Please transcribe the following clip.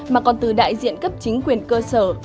mà còn từ đại diện cấp chính quyền cơ sở